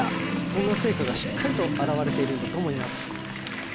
そんな成果がしっかりと表れているんだと思います